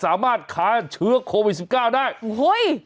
สามารถค้าเชื้อโควิด๑๙ได้เฮ้ย